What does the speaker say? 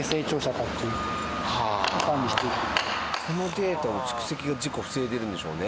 このデータの蓄積が事故を防いでるんでしょうね。